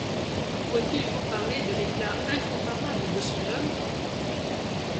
Faut-il vous parler de l'éclat incomparable de son oeuvre?